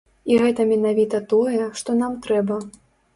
І гэта менавіта тое, што нам трэба.